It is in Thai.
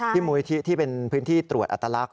มูลนิธิที่เป็นพื้นที่ตรวจอัตลักษณ